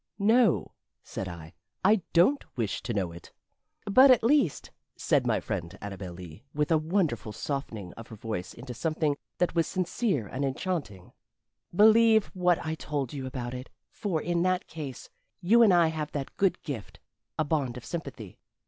"No," said I, "I don't wish to know it." "But, at least," said my friend Annabel Lee, with a wonderful softening of her voice into something that was sincere and enchanting, "believe what I told you about it, for in that case you and I have that good gift a bond of sympathy.